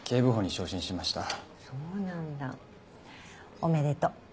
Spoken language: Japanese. おめでとう。